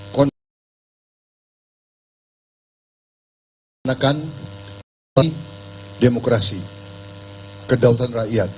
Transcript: menakan kebenaran dan kebenaran demokrasi kedautan rakyat